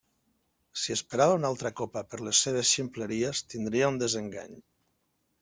Si esperava una altra copa per les seues ximpleries, tindria un desengany!